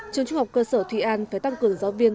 trường trung học cơ sở thụy an phải tăng cường giáo viên